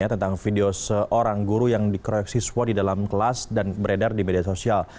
tentang video seorang guru yang dikeroyok siswa di dalam kelas dan beredar di media sosial